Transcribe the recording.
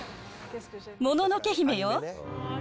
もののけ姫よ。